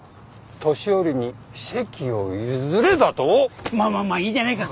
年寄りに席を譲れだと⁉まあまあまあいいじゃないか。